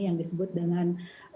yang disebut dengan